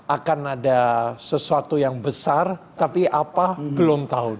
akan ada sesuatu yang besar tapi apa belum tahu